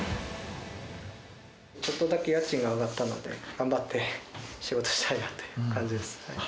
ちょっとだけ家賃が上がったので、頑張って仕事したいなって感じです。